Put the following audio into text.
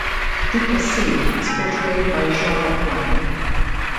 Duplessis is portrayed by Jean Lapointe.